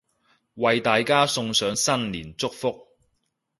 為大家送上新年祝福